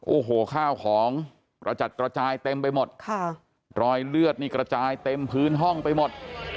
โอ้โหข้าวของกระจัดกระจายเต็มไปหมดค่ะรอยเลือดนี่กระจายเต็มพื้นห้องไปหมด